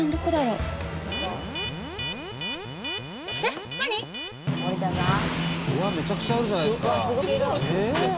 うわめちゃくちゃあるじゃないですか。